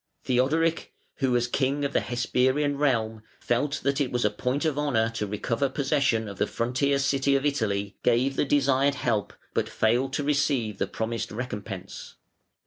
Theodoric, who, as king of "the Hesperian realm", felt that it was a point of honour to recover possession of "the frontier city of Italy", gave the desired help, but failed to receive the promised recompense.